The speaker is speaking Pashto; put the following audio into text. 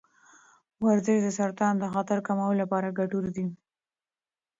ورزش د سرطان د خطر کمولو لپاره ګټور دی.